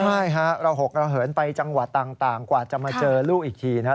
ใช่ฮะระหกระเหินไปจังหวัดต่างกว่าจะมาเจอลูกอีกทีนะครับ